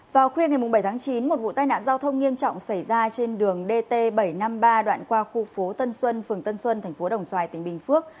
vào khuya ngày bảy tháng chín một vụ tai nạn giao thông nghiêm trọng xảy ra trên đường dt bảy trăm năm mươi ba đoạn qua khu phố tân xuân phường tân xuân tp đồng xoài tỉnh bình phước